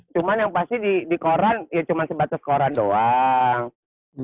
cuman yang pasti di koran ya cuma sebatas koran doang